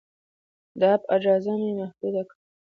د اپ اجازه مې محدود کړه.